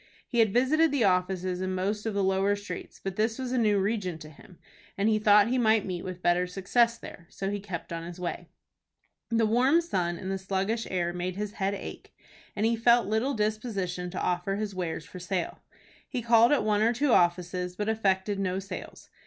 He had visited the offices in most of the lower streets, but this was a new region to him, and he thought he might meet with better success there. So he kept on his way. The warm sun and the sluggish air made his head ache, and he felt little disposition to offer his wares for sale. He called at one or two offices, but effected no sales.